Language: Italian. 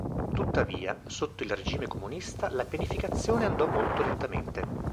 Tuttavia, sotto il regime comunista, la pianificazione andò molto lentamente.